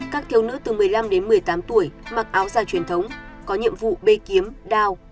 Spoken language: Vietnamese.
các thiếu nữ từ một mươi năm đến một mươi tám tuổi mặc áo dài truyền thống có nhiệm vụ bê kiếm đao